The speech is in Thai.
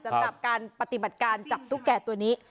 สำหรับการปฏิบัติการจับตุ๊กแก่ตัวนี้